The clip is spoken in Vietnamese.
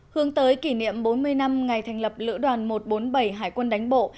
hướng tới kỷ niệm bốn mươi năm ngày thành lập lữ đoàn một trăm bốn mươi bảy hải quân đánh bộ